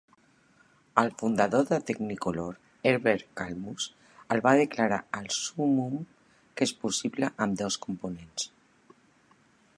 El fundador de Technicolor, Herbert Kalmus, el va declarar el súmmum que és possible amb dos components.